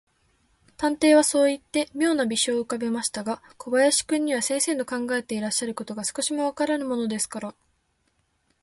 探偵はそういって、みょうな微笑をうかべましたが、小林君には、先生の考えていらっしゃることが、少しもわからぬものですから、